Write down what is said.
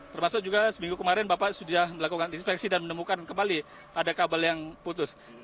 termasuk juga seminggu kemarin bapak sudah melakukan inspeksi dan menemukan kembali ada kabel yang putus